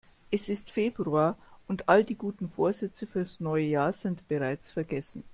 Es ist Februar und all die guten Vorsätze fürs neue Jahr sind bereits vergessen.